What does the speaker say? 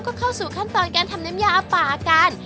ก็เข้าสู่ขั้นตอนการทำน้ำยาป่ากัน